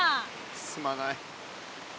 すまない。